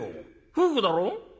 夫婦だろ？」。